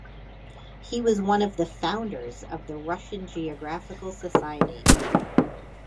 He was one of the founders of the Russian Geographical Society.